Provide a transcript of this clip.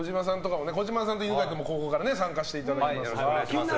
児嶋さんと犬飼君もここから参加していただきます。